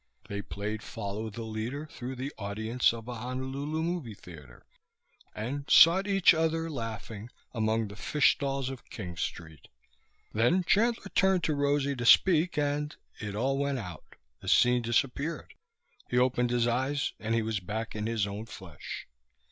They played follow the leader through the audience of a Honolulu movie theater, and sought each other, laughing, among the fish stalls of King Street. Then Chandler turned to Rosalie to speak and ... it all went out ... the scene disappeared ... he opened his eyes, and he was back in his own flesh.